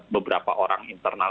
beberapa orang internal